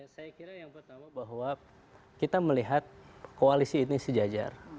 saya kira yang pertama bahwa kita melihat koalisi ini sejajar